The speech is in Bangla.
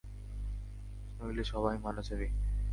নইলে সবাই মারা যাবি।